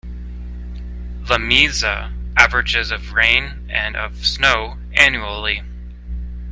Lamesa averages of rain and of snow annually.